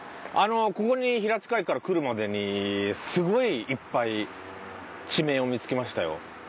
ここに平塚駅から来るまでにすごいいっぱい地名を見つけましたよ